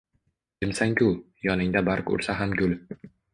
Jimsan-ku, yoningda barq ursa ham gul